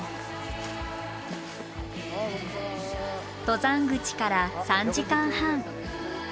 登山口から３時間半。